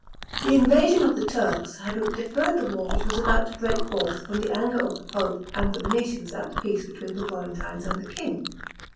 The invasion of the Turks had deferred the war which was about to break forth from the anger of the pope and the Venetians at the peace between the Florentines and the king.